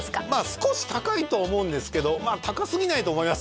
少し高いと思うんですけど高すぎないと思います